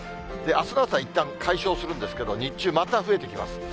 あすの朝、いったん解消するんですけど、日中、また増えてきます。